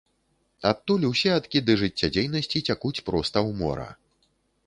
Адтуль усе адкіды жыццядзейнасці цякуць проста ў мора.